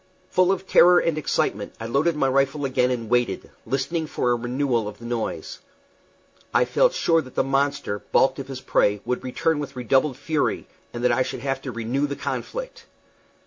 Full of terror and excitement, I loaded my rifle again and waited, listening for a renewal of the noise. I felt sure that the monster, balked of his prey, would return with redoubled fury, and that I should have to renew the conflict.